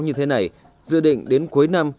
như thế này dự định đến cuối năm